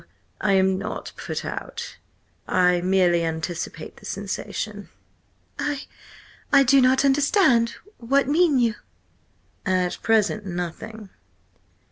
I am not 'put out.' I merely anticipate the sensation." "I–I don't understand. What mean you?" "At present, nothing."